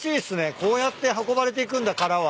こうやって運ばれていくんだ殻は。